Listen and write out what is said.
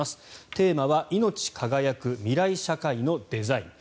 テーマは「いのち輝く未来社会のデザイン」。